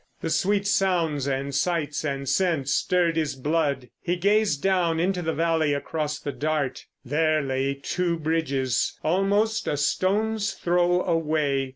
The sweet sounds and sights and scents stirred his blood. He gazed down into the valley across the Dart. There lay Two Bridges, almost a stone's throw away.